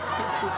aduh kacau banget